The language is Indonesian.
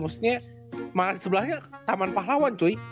maksudnya malah sebelahnya taman pahlawan cuy